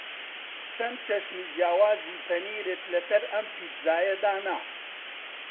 چەند چەشنی جیاوازی پەنیرت لەسەر ئەم پیتزایە دانا؟